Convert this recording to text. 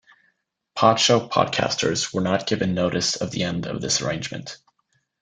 Podshow podcasters were not given notice of the end of this arrangement.